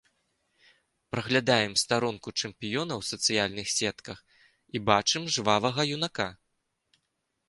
Праглядаем старонку чэмпіёна ў сацыяльных сетках і бачым жвавага юнака.